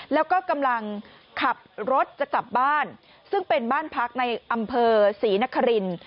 แล้วก็กำลังขับรถจะกลับบ้านซึ่งเป็นบ้านพักในอำเภอศรีนคริน